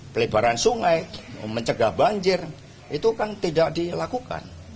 pelebaran sungai mencegah banjir itu kan tidak dilakukan